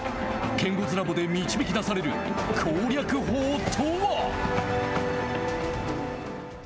ケンゴズラボで導き出される攻略法とは。